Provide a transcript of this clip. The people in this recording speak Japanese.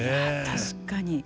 確かに。